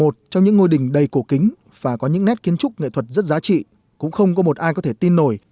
trong những ngôi đình đầy cổ kính và có những nét kiến trúc nghệ thuật rất giá trị cũng không có một ai có thể tin nổi